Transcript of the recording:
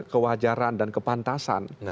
kewajaran dan kepantasan